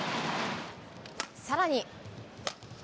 さらに。